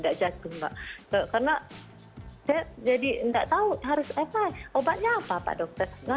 dead jadi enggak tahu harus efek obatnya apa pak dokter kan obatnya mau bawa aja pulang cat